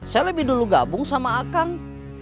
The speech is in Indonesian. saya lebih dulu gabung sama akang